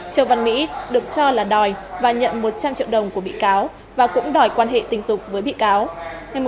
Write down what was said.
châu văn mỹ được cho là đòi và nhận một trăm linh triệu đồng của bị cáo và cũng đòi quan hệ tình dục với bị cáo